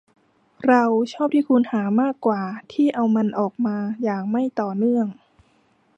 เราชอบที่คุณหามากกว่าที่เอามันออกมาอย่างไม่ต่อเนื่อง